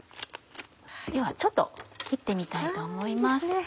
ではちょっと切ってみたいと思います。